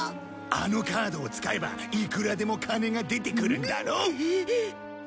あのカードを使えばいくらでも金が出てくるんだろ？